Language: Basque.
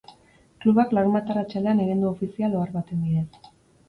Klubak larunbat arratsaldean egin du ofizial ohar baten bidez.